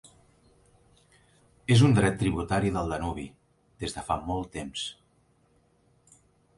És un dret tributari del Danubi, des de fa molt temps.